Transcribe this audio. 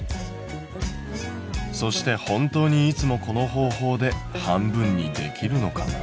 そして本当にいつもこの方法で半分にできるのかな？